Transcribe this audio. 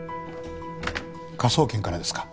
科捜研からですか？